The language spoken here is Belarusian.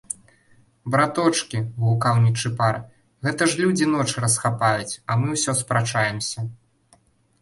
- Браточкi, - гукаў Нiчыпар, - гэта ж людзi ноч расхапаюць, а мы ўсё спрачаемся...